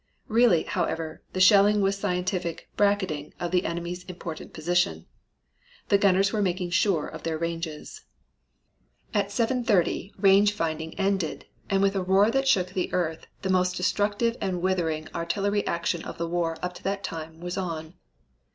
Really, however, the shelling was scientific "bracketing" of the enemy's important position. The gunners were making sure of their ranges. At 7.30 range finding ended, and with a roar that shook the earth the most destructive and withering artillery action of the war up to that time was on.